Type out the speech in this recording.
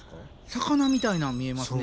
魚みたいなん見えますね。